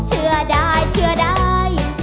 เชื่อได้เชื่อได้